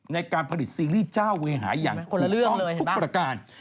ในการผลิตซีรีส์เจ้าเวรหายังคุณทองทุกประการ